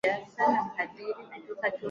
mti mrefu zaidi kwenye msitu wa mvua